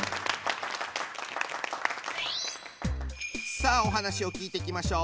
さあお話を聞いてきましょう。